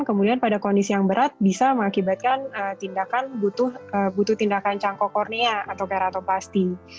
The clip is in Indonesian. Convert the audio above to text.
kemudian pada kondisi yang berat bisa mengakibatkan butuh tindakan cangkok kornea atau keratoplasti